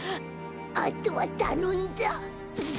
あとはたのんだぜ。